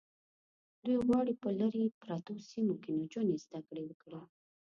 دوی غواړي په لرې پرتو سیمو کې نجونې زده کړې وکړي.